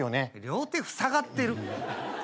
両手ふさがってる。